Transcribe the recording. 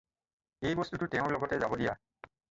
এই বস্তুটো তেওঁৰ লগতে যাব দিয়া।